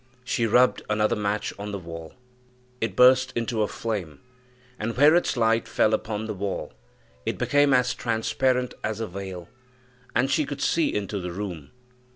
She rubbed another match on the wall. It burst into a flame, and where its light fell upon the wall it became as transparent as a veil, and she could see into the room.